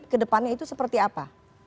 ke depannya itu seperti apa